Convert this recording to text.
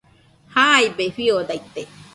Jaibe fiodaite